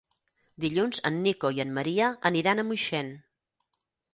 Dilluns en Nico i en Maria aniran a Moixent.